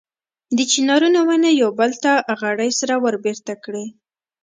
د چنارونو ونې یو بل ته غړۍ سره وربېرته کړي.